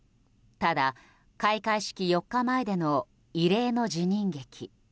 ただ、開会式４日前での異例の辞任劇。